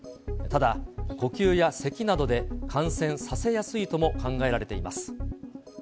ただ、呼吸やせきなどで、感染させやすいとも考えられています。